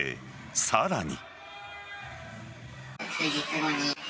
さらに。